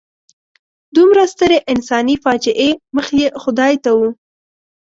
دومره سترې انساني فاجعې مخ یې خدای ته و.